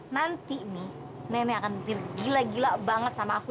nanti nih nenek akan digila gila banget sama aku